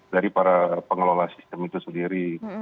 dari para pengelola sistem itu sendiri